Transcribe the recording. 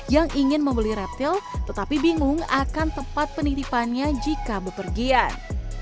yang ingin membeli reptil tetapi bingung akan tempat penitipannya jika bepergian